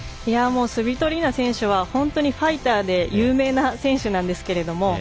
スビトリーナ選手は本当にファイターで有名な選手なんですけれども。